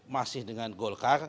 masih dengan golkar